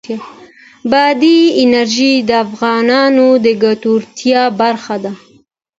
بادي انرژي د افغانانو د ګټورتیا برخه ده.